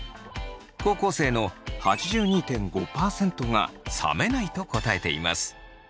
高校生の８２．５％が冷めないと答えています。